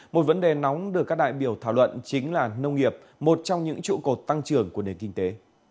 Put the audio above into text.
một vấn đề nóng được các đại biểu thảo luận chính là nông nghiệp một trong những trụ cột tăng trưởng của nền kinh tế